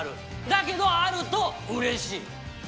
だけど、あるとうれしい。